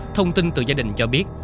thông tin từ gia đình cho biết